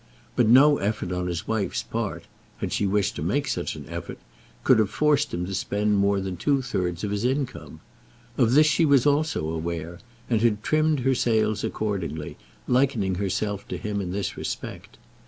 But no effort on his wife's part, had she wished to make such effort, could have forced him to spend more than two thirds of his income. Of this she also was aware, and had trimmed her sails accordingly, likening herself to him in this respect.